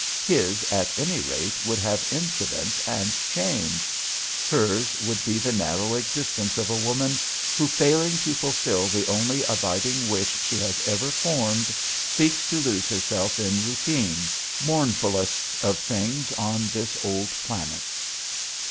His, at any rate, would have incident and change ; hers would be the narrow existence of a woman who, failing to fulfil the only abiding wish she has ever formed, seeks to lose herself in routine mournfulest of things on this old planet.